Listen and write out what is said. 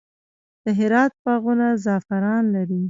د هرات باغونه زعفران لري.